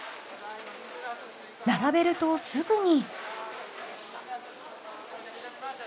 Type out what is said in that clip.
並べるとすぐに。